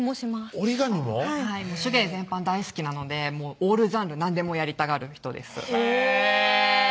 はい手芸全般大好きなのでオールジャンル何でもやりたがる人ですへぇ！